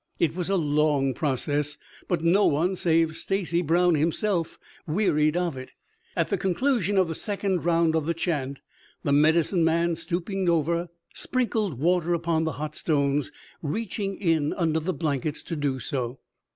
It was a long process, but no one save Stacy Brown himself wearied of it. At the conclusion of the second round of the chant, the Medicine Man, stooping over, sprinkled water upon the hot stones, reaching in under the blankets to do so.